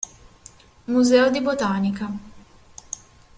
Museo di botanica